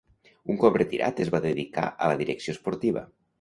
Un cop retirat es va dedicar a la direcció esportiva.